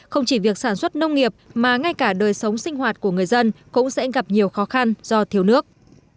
không chỉ việc sản xuất nông nghiệp mà ngay cả đời sống sinh hoạt của người dân cũng sẽ gặp nhiều khó khăn do thiếu nước